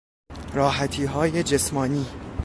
راحتیهای جسمانی